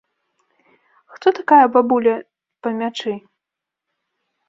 Хто такая бабуля па мячы?